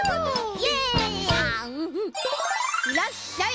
いらっしゃい。